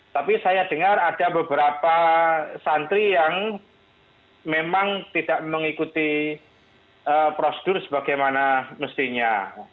tapi saya dengar ada beberapa santri yang memang tidak mengikuti prosedur sebagaimana mestinya